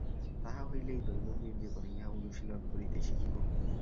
তাহা হইলেই দৈনন্দিন জীবনে ইহা অনুশীলন করিতে শিখিব।